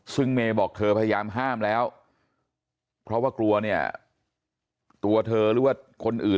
ซึ่งเมย์บอกเธอพยายามห้ามแล้วเพราะว่ากลัวเนี่ยตัวเธอหรือว่าคนอื่น